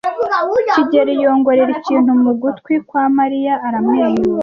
kigeli yongorera ikintu mu gutwi kwa Mariya aramwenyura.